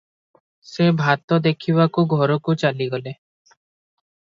ସେ ଭାତ ଦେଖିବାକୁ ଘରକୁ ଚାଲିଗଲେ ।